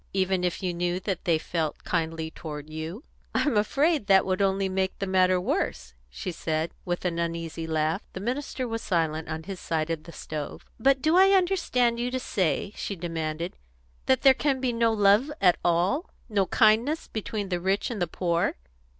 "Even if you knew that they felt kindly toward you?" "I'm afraid that would only make the matter worse," she said, with an uneasy laugh. The minister was silent on his side of the stove. "But do I understand you to say," she demanded, "that there can be no love at all, no kindness, between the rich and the poor?